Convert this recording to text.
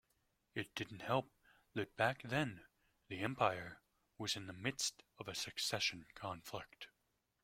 It didn't help that back then the empire was in the midst of a succession conflict.